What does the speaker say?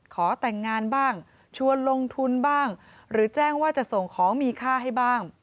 ขอแต่งงานบ้างชวนลงทุนบ้างหรือแจ้งว่าจะส่งของมีค่าให้บ้าง